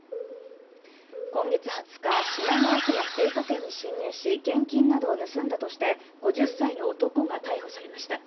今月２０日、品川区の青果店に侵入し現金などを盗んだとして５０歳の男が逮捕されました。